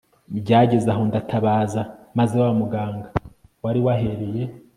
byageze aho ndatabaza maze wa muganga wari wahereye